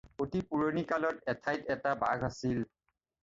অতি পুৰণি কালত এঠাইত এটা বাঘ আছিল।